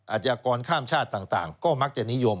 อาชญากรข้ามชาติต่างก็มักจะนิยม